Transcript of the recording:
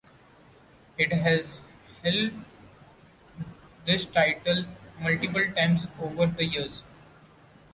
It has held this title multiple times over the years.